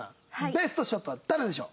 ベストショットは誰でしょう？